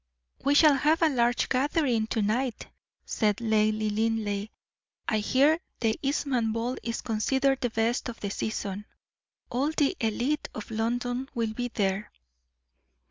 "We shall have a large gathering to night," said Lady Linleigh. "I hear the Eastham ball is considered the best of the season; all the elite of London will be there."